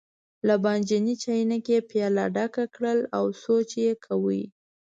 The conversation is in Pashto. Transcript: له بانجاني چاینکې یې پیاله ډکه کړه او سوچ یې کاوه.